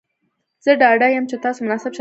زه ډاډه یم چې تاسو مناسب چلند کوئ.